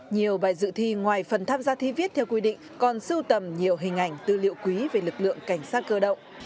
nhiều bài dự thi ngoài phần tham gia thi viết theo quy định còn sưu tầm nhiều hình ảnh tư liệu quý về lực lượng cảnh sát cơ động